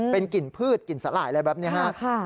เป็นกลิ่นพืชกลิ่นสาหร่ายอะไรแบบนี้ฮะ